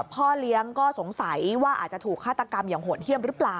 พ่อเลี้ยงก็สงสัยว่าอาจจะถูกฆาตกรรมอย่างโหดเยี่ยมหรือเปล่า